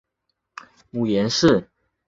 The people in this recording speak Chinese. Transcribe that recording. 母颜氏。